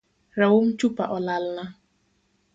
Raum chupa olalna